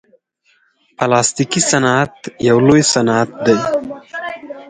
پلاستيکي صنعت یو لوی صنعت دی.